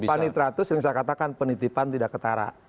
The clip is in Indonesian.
panitera itu sehingga saya katakan penitipan tidak ketara